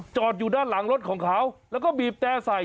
จอดอยู่ด้านหลังรถของเขาแล้วก็บีบแต่ใส่